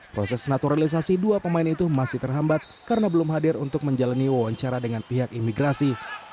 proses naturalisasi dua pemain itu masih terhambat karena belum hadir untuk menjalani wawancara dengan pihak imigrasi